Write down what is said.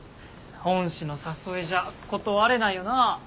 恩師の誘いじゃ断れないよな。